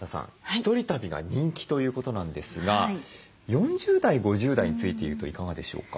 １人旅が人気ということなんですが４０代５０代について言うといかがでしょうか？